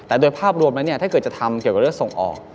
แต่โดยภาพรวมแล้วถ้าเกิดจะทำเกี่ยวกับเรื่องส่งออก